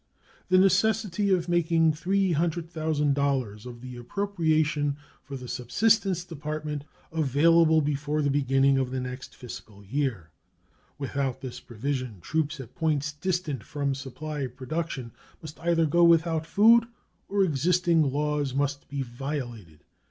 The necessity of making $300,000 of the appropriation for the Subsistence Department available before the beginning of the next fiscal year. Without this provision troops at points distant from supply production must either go without food or existing laws must be violated.